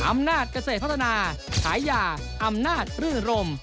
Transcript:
อำนาจเกษตรพัฒนาขายยาอำนาจรื่นรม